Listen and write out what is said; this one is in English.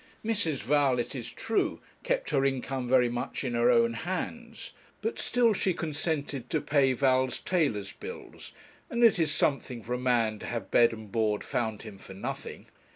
Mrs. Val, it is true, kept her income very much in her own hands; but still she consented to pay Val's tailors' bills, and it is something for a man to have bed and board found him for nothing.